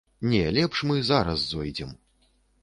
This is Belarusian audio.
Не, лепш мы зараз зойдзем.